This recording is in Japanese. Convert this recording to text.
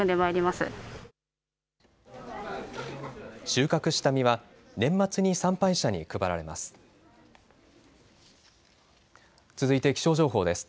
収穫した実は年末に参拝者に配られます。